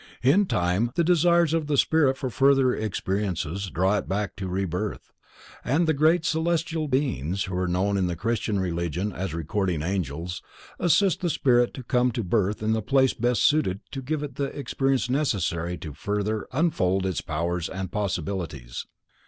In time the desires of the spirit for further experiences draws it back to rebirth, and the Great Celestial Beings who are known in the Christian Religion as Recording Angels, assist the spirit to come to birth in the place best suited to give it the experience necessary to further unfold its powers and possibilities.